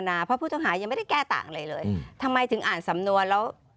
เพราะผู้ต้องหายังไม่ได้แก้ต่างอะไรเลยทำไมถึงอ่านสำนวนแล้ว